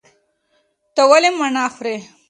ته ولې مڼه خورې؟